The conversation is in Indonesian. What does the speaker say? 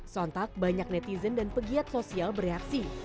sontak banyak netizen dan pegiat sosial bereaksi